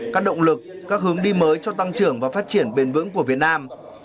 các động lực các hướng đi mới cho tăng trưởng và phát triển bền vững của việt nam